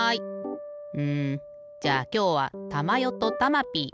うんじゃあきょうはたまよとたまピー。